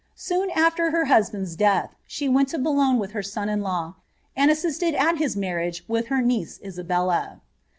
Soon aftei her husband's death site weal to Boulogne with her ^on in law, and assisted al his marriage with bs niece Uabellu.